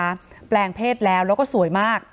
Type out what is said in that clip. เป็นสาวประเภทแล้วก็สวยมาก